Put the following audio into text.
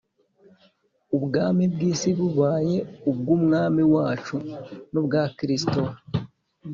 Ubwami bw’isi bubaye ubw’Umwami wacu n’ubwa Kristo we,